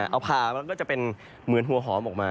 เอาพามันก็จะเป็นเหมือนหัวหอมออกมา